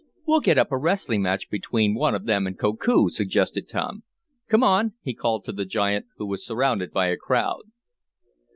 "We'll get up a wrestling match between one of them and Koku," suggested Tom. "Come on!" he called to the giant, who was surrounded by a crowd.